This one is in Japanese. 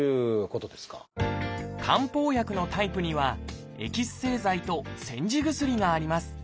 漢方薬のタイプには「エキス製剤」と「煎じ薬」があります。